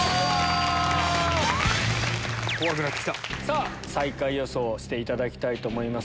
さぁ最下位予想をしていただきたいと思います。